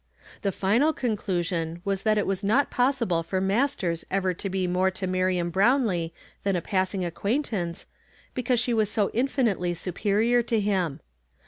The final conclusion was that it was not possible for Masters ever to be more to Miriam Brownlee than a pass ing acquaintance, because she was so infinitely superior to him.